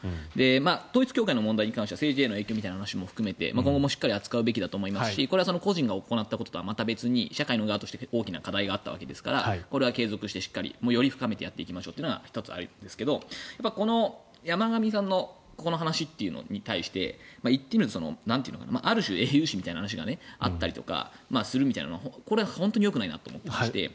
統一教会の問題に関しては政治への影響という話も含めてしっかり扱うべきだと思いますしこれは個人が行ったこととはまた別に社会の側として大きな課題があったわけですからこれは継続的により深めてやっていきましょうというのが１つあるんですがこの山上さんのこの話に対して言ってみればある種英雄視みたいな話があったりするというのはこれは本当によくないなと思っていまして。